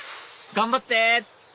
頑張って！